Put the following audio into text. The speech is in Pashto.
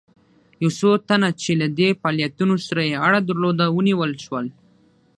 یو څو تنه چې له دې فعالیتونو سره یې اړه درلوده ونیول شول.